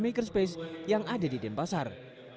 makerspace yang ada di denpasar